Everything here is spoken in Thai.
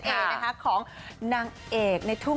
ก็เลยนะฮะของนางเอกในทุ่ง